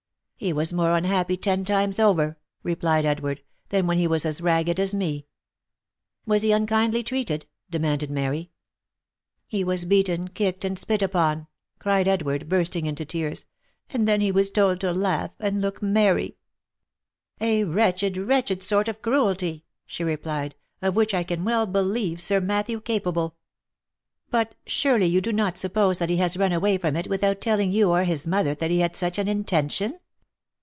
" He was more unhappy ten times over," replied Edward, "than when he was as ragged as me." " Was he unkindly treated ?" demanded Mary. " He was beaten, kicked, and spit upon !" cried Edward, bursting into tears; " and then he was told to laugh, and look merry." OF MICHAEL ARMSTRONG. 167 "A wretched, wretched, sort of cruelty !" she replied, " of which I can well believe Sir Matthew capable. But you surely do uot suppose that he has run away from it without telling you or his mother that he had such an intention